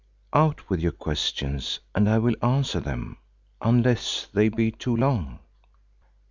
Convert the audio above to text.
Out with your questions and I will answer them, unless they be too long."